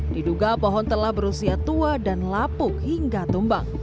diduga pohon telah berusia tua dan lapuk hingga tumbang